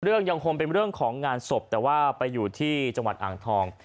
ยังคงเป็นเรื่องของงานศพแต่ว่าไปอยู่ที่จังหวัดอ่างทอง